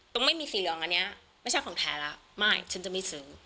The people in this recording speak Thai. ไม่มีสีเหลืองอันนี้ไม่ใช่ของแท้แล้วไม่ฉันจะไม่ซื้อ